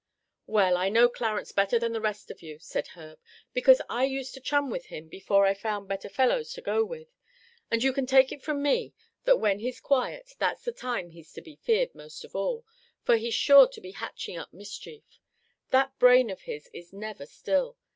"Well, I know Clarence better than the rest of you," said Herb, "because I used to chum with him before I found better fellows to go with; and you can take it from me that when he's quiet, that's the time he's to be feared most of all, for he's sure to be hatching up mischief. That brain of his is never still.